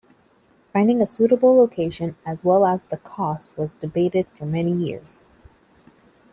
Finding a suitable location, as well as the cost, was debated for many years.